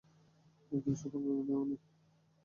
একজন শুভাকাঙ্ক্ষীও নেই?